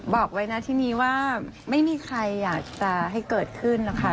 บอกไว้นะทีนี้ว่าไม่มีใครอยากจะให้เกิดขึ้นนะคะ